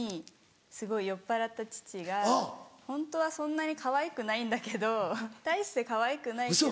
すごい酔っぱらった父が「ホントはそんなにかわいくないんだけど大してかわいくないけど」。